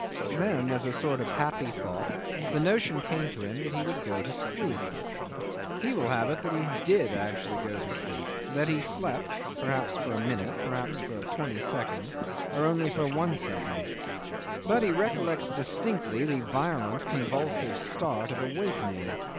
Then as a sort of happy thought the notion came to him that he would go to sleep. He will have it that he did actually go to sleep; that he slept perhaps for a minute, perhaps for twenty seconds, or only for one second, but he recollects distinctly the violent convulsive start of awakening.